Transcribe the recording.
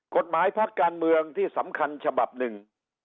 กฎหมายพักการเมืองที่สำคัญฉบับหนึ่ง